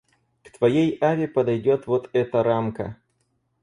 К твоей аве подойдёт вот эта рамка.